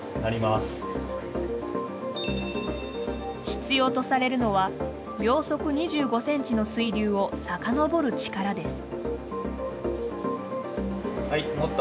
必要とされるのは秒速２５センチの水流を遡る力です。